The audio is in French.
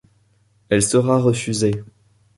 Elle sera refusée.